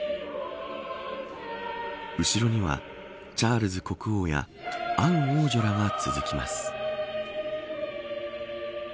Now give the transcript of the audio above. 後ろには、チャールズ国王やアン王女らが続きます。